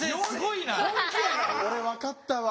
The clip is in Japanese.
俺分かったわ。